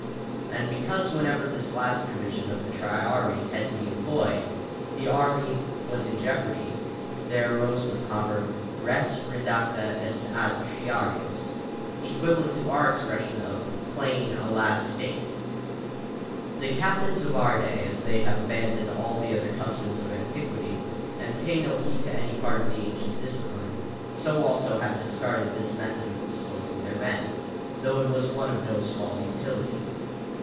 And because whenever this last division, of the triarii, had to be employed, the army was in jeopardy, there arose the proverb, "Res redacta est ad triarios," equivalent to our expression of playing a last stake. The captains of our day, as they have abandoned all the other customs of antiquity, and pay no heed to any part of the ancient discipline, so also have discarded this method of disposing their men, though it was one of no small utility.